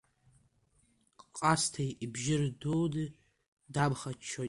Ҟасҭеи ибжьы рдуны дамхаччоит.